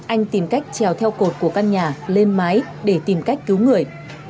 anh tìm cách trèo theo cột của căn nhà lên mái để tìm cách cứu người